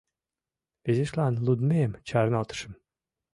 Изишлан лудмем чарналтышым.